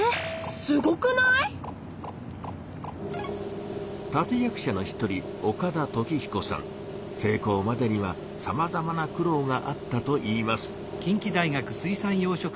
すごくない⁉立て役者の一人成功までにはさまざまな苦労があったといいます。